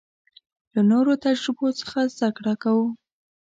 له نورو تجربو څخه زده کړه کوو.